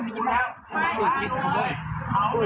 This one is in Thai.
เดี๋ยวคุณปิดกระแบกให้ดีกว่า